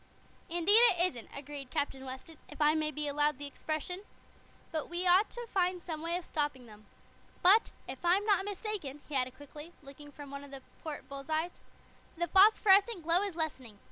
"Indeed, it isn't," agreed Captain Weston, "if I may be allowed the expression. We ought to find some way of stopping them. But, if I'm not mistaken," he added quickly, looking from one of the port bull's eyes, "the phosphorescent glow is lessening.